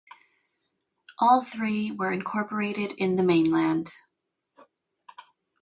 All three were incorporated in the Mainland.